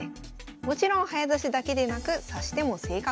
もちろん早指しだけでなく指し手も正確。